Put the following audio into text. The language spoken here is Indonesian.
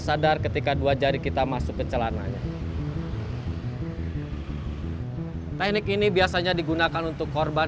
sadar ketika dua jari kita masuk ke celananya teknik ini biasanya digunakan untuk korban